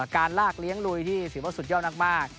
การลากเลี้ยงลุยที่ถือว่าสุดยอดมาก